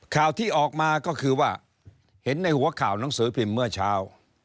ข่าวที่ออกมาก็คือว่าเห็นในหัวข่าวหนังสือพิมพ์เมื่อเช้า